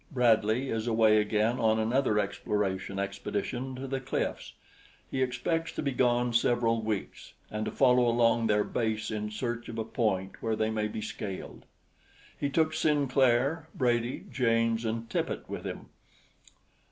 Bradley is away again on another exploration expedition to the cliffs. He expects to be gone several weeks and to follow along their base in search of a point where they may be scaled. He took Sinclair, Brady, James, and Tippet with him.